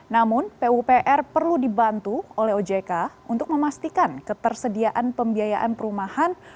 namun pupr perlu dibantu oleh ojk untuk memastikan ketersediaan pembiayaan perumahan